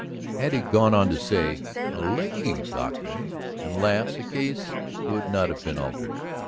Had he gone on to say, "A lady doctor, eh?" and laughed, the case would not have been altered.